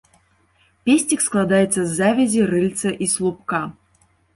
Песцік складаецца з завязі, рыльца і слупка.